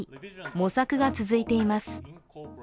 模索が続いています。